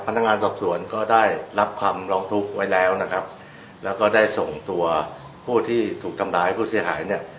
พนักงานสอบสวนก็ได้รับคำร้องทุกข์ไว้แล้วนะครับแล้วก็ได้ส่งตัวผู้ที่ถูกทำร้ายผู้เสียหายเนี่ย